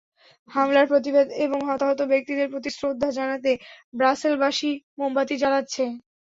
হামলার প্রতিবাদ এবং হতাহত ব্যক্তিদের প্রতি শ্রদ্ধা জানাতে ব্রাসেলসবাসী মোমবাতি জ্বেলেছেন।